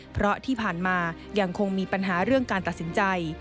เพราะที่ผ่านมายังคงมีปัญหาเรื่องการตัดสินใจ